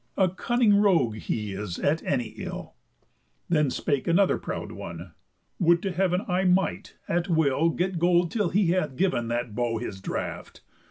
A cunning rogue he is at any ill." Then spake another proud one: "Would to heav'n, I might, at will, get gold till he hath giv'n That bow his draught!"